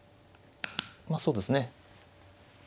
まあそうですね。